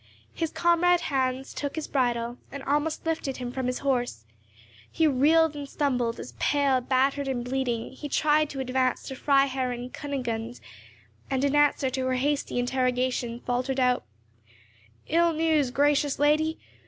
His comrade Hans took his bridle, and almost lifted him from his horse; he reeled and stumbled as, pale, battered, and bleeding, he tried to advance to Freiherinn Kunigunde, and, in answer to her hasty interrogation, faltered out, "Ill news, gracious lady.